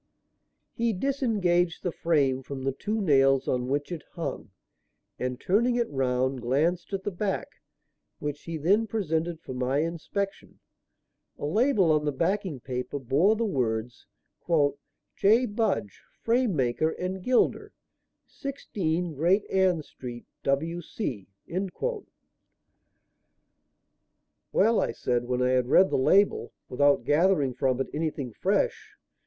He disengaged the frame from the two nails on which it hung, and, turning it round, glanced at the back; which he then presented for my inspection. A label on the backing paper bore the words, "J. Budge, Frame maker and Gilder, 16, Gt. Anne Street, W.C." "Well?" I said, when I had read the label without gathering from it anything fresh.